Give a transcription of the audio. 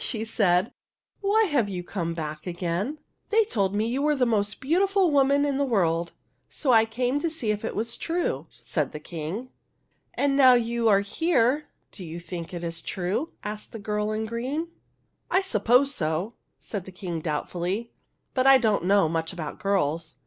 she said, " why have you come back again ?"" They told me you were the most beautiful woman in the world, so I came to see if it was true," said the King. " And now you are here, do you think it is true ?" asked the girl in green. " I suppose so," said the King, doubtfully ;" but I don't know much about girls.